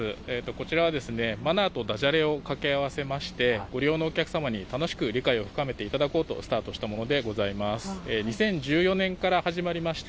こちらはマナーとだじゃれを掛け合わせまして、ご利用のお客様に楽しく理解を深めていただこうとしているものです。